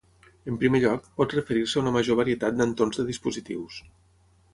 En primer lloc, pot referir-se a una major varietat d'entorns de dispositius.